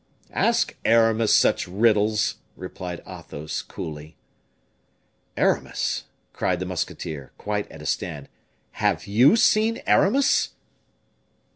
"Ask Aramis such riddles," replied Athos, coolly. "Aramis," cried the musketeer, quite at a stand. "Have you seen Aramis?"